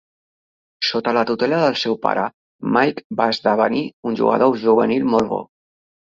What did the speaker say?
Sota la tutela del seu pare, Mike va esdevenir un jugador juvenil molt bo.